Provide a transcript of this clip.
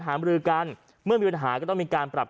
มรือกันเมื่อมีปัญหาก็ต้องมีการปรับ